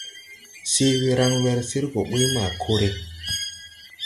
Se we raŋ wer sir gɔ ɓuy, ma kore.